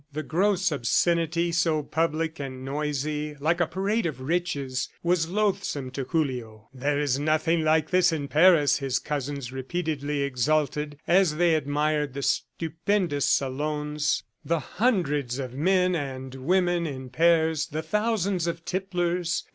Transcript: The gross obscenity, so public and noisy, like a parade of riches, was loathsome to Julio. "There is nothing like this in Paris," his cousins repeatedly exulted as they admired the stupendous salons, the hundreds of men and women in pairs, the thousands of tipplers.